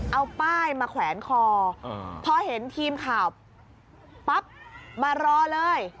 เอาป้ายมาแขวนคอพอเห็นทีมข่าวปั๊บมารอเลย